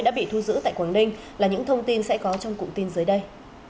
đã bị thu giữ tại quảng ninh là những thông tin sẽ có trong cụm tin dưới đây